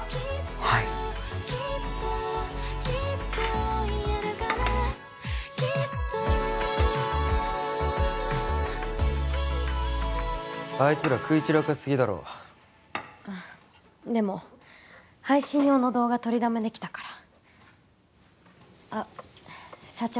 はいあいつら食い散らかしすぎだろでも配信用の動画撮りだめできたからあっ社長